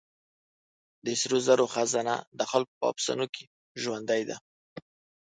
د سرو زرو خزانه د خلکو په افسانو کې ژوندۍ ده.